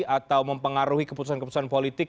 atau mempengaruhi keputusan keputusan politik